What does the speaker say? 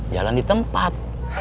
jalan di tempat